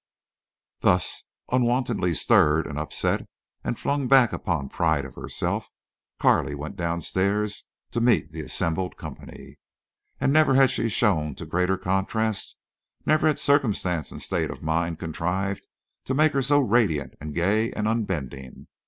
Thus unwontedly stirred and upset and flung back upon pride of herself, Carley went downstairs to meet the assembled company. And never had she shown to greater contrast, never had circumstance and state of mind contrived to make her so radiant and gay and unbending.